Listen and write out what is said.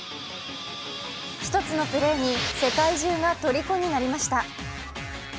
１つのプレーに世界中がとりこになりました。